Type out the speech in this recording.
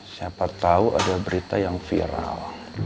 siapa tahu ada berita yang viral